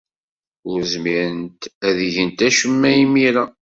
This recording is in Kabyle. Ur zmirent ad gent acemma imir-a.